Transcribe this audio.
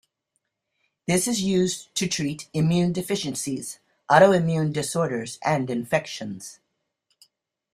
This is used to treat immune deficiencies, autoimmune disorders, and infections.